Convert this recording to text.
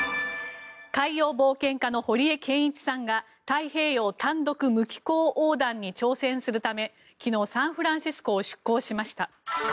海洋冒険家の堀江謙一さんが太平洋単独無寄港横断に挑戦するため昨日、サンフランシスコを出航しました。